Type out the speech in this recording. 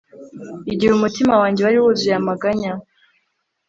igihe umutima wanjye wari wuzuye amaganya